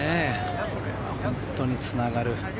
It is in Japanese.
これは本当につながる。